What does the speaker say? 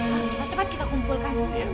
nah cepat cepat kita kumpulkan